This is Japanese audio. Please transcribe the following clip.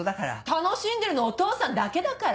楽しんでるのお父さんだけだから。